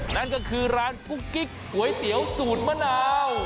นั่นก็คือร้านกุ๊กกิ๊กก๋วยเตี๋ยวสูตรมะนาว